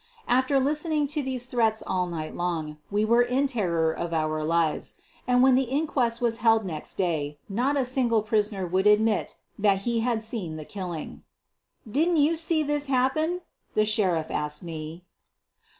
After listening to these threats all night long we were in terror of our lives, and when the inquest was held next day not a single prisoner would ad mit that he had seen the killing. " Didn't you see this happen V 9 the Sheriff asked me.